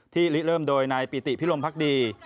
ลิเริ่มโดยนายปิติพิรมพักดี